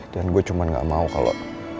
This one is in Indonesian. dan gue cuman gak mau kalo